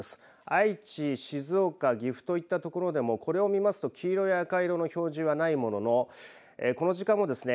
愛知、静岡、岐阜といったところでもこれを見ますと黄色や赤色の表示がないもののこの時間もですね